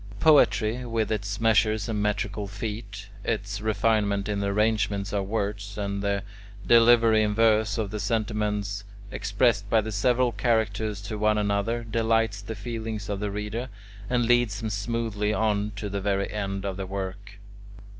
Poetry, with its measures and metrical feet, its refinement in the arrangement of words, and the delivery in verse of the sentiments expressed by the several characters to one another, delights the feelings of the reader, and leads him smoothly on to the very end of the work.